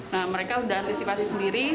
nah mereka sudah antisipasi sendiri